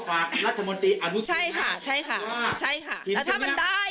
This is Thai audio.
อันนี้เราก็แฟนคนเขาฝากรัฐมนตรีอนุมัติ